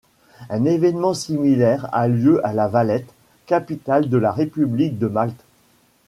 Un événement similaire a lieu à La Valette, capitale de la république de Malte.